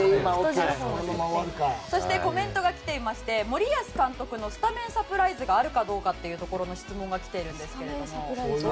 そして、コメントが来ていまして、森保監督のスタメンサプライズがあるかどうかという質問が来ているんですけども。